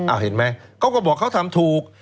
เห็นไหมเขาก็บอกเขาทำถูก